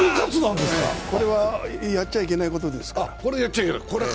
これはやっちゃいけないことですから。